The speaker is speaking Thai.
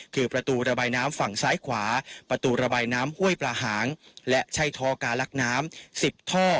คือประตูระบายน้ำฝั่งซ้ายขวาประตูระบายน้ำห้วยปลาหางและใช้ทอการลักน้ำ๑๐ท่อ